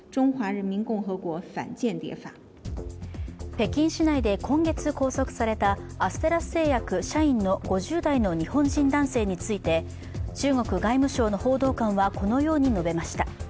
北京市内で今月拘束されたアステラス製薬社員の５０代の日本人男性について中国外務省の報道官はこのように述べました。